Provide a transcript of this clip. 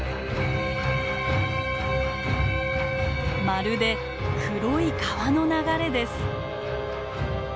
まるで黒い川の流れです。